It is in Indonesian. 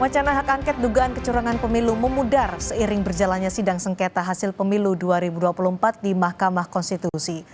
wacana hak angket dugaan kecurangan pemilu memudar seiring berjalannya sidang sengketa hasil pemilu dua ribu dua puluh empat di mahkamah konstitusi